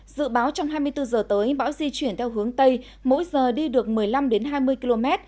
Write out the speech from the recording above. dự báo trong hai mươi bốn h tới bão di chuyển theo hướng tây mỗi giờ đi được một mươi năm hai mươi km